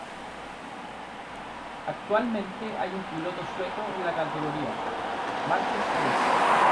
Actualmente hay un piloto sueco en la categoría, Marcus Ericsson.